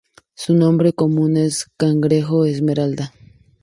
Su nombre común es cangrejo esmeralda.